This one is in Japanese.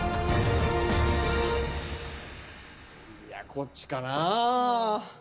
いやこっちかな。